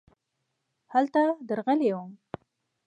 هلته درغلی وم .